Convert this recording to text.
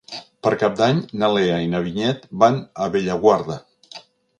Per Cap d'Any na Lea i na Vinyet van a Bellaguarda.